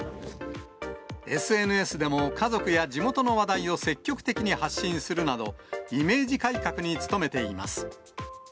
ＳＮＳでも家族や地元の話題を積極的に発信するなど、イメージ改革に努めています。